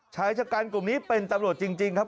ชายชะกันกลุ่มนี้เป็นตำรวจจริงครับ